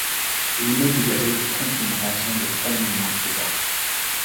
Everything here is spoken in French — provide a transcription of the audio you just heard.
Il n’est libéré que contre une rançon de trois mille marcs d’argent.